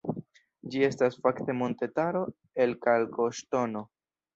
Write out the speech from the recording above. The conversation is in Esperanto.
Ĝi estas fakte montetaro, el kalkoŝtono.